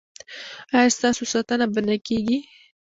ایا ستاسو ساتنه به نه کیږي؟